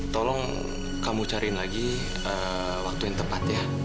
tolong kamu cariin lagi waktu yang tepat ya